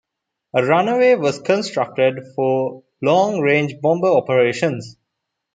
A runway was constructed for long-range bomber operations.